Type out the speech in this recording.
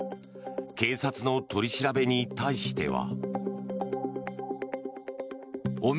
警察の取り調べに対しては。